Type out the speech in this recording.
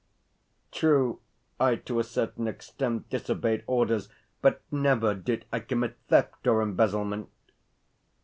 True, I to a certain extent disobeyed orders, but never did I commit theft or embezzlement."